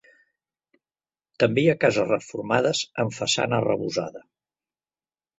També hi ha cases reformades amb façana arrebossada.